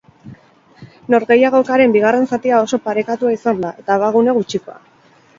Norgehiagokaren bigarren zatia oso parekatua izan da, eta abagune gutxikoa.